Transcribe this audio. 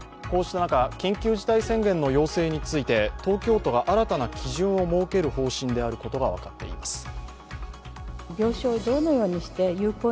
こうした中、緊急事態宣言の要請について、東京都が新たな基準を設ける方針であることが分かっています。